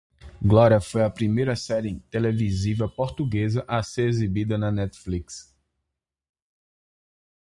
"Glória" foi a primeira série televisiva portuguesa a ser exibida na Netflix.